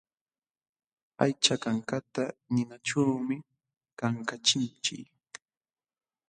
Aycha kankata ninaćhuumi kankachinchik.